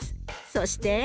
そして。